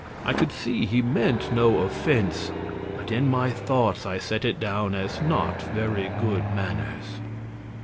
I could see he meant no offense, but in my thoughts I set it down as not very good manners.